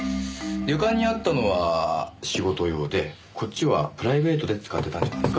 旅館にあったのは仕事用でこっちはプライベートで使ってたんじゃないですか？